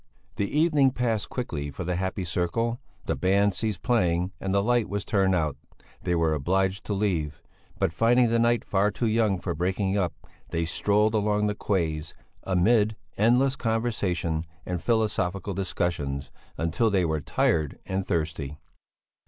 The evening passed quickly for the happy circle; the band ceased playing and the light was turned out; they were obliged to leave, but, finding the night far too young for breaking up, they strolled along the quays, amid endless conversation and philosophical discussions, until they were tired and thirsty.